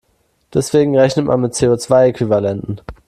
Deswegen rechnet man mit CO-zwei-Äquivalenten.